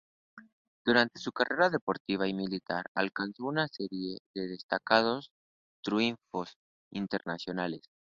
Durante su carrera deportiva y militar alcanzó una serie de destacados triunfos internacionales.